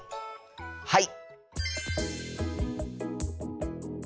はい！